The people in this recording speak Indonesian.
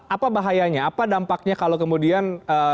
apa bahayanya apa dampaknya kalau kemudian